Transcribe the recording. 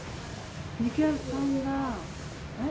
お肉屋さんがあれ？